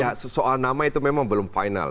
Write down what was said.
ya soal nama itu memang belum final